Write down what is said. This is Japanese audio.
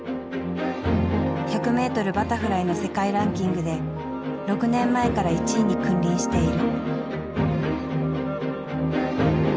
１００ｍバタフライの世界ランキングで６年前から１位に君臨している。